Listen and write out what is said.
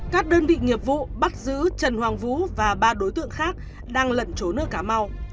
các đơn vị nghiệp vụ bắt giữ trần hoàng vũ và ba đối tượng khác đang lẩn trốn ở cà mau